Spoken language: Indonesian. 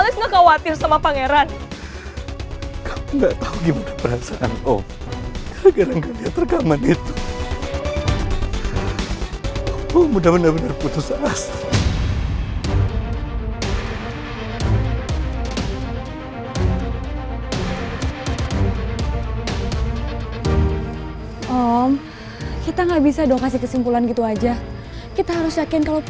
sampai jumpa di video selanjutnya